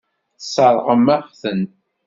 Tesseṛɣem-aɣ-ten.